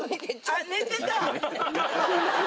あっ寝てた！